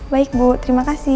baik bu terima kasih